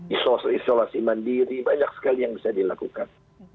isolasi mandiri banyak sekali yang bisa dilakukan